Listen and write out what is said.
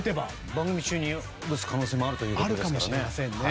番組中に打つ可能性もあるということですからね。